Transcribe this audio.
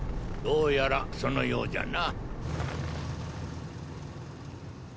どうやらそのようじゃな。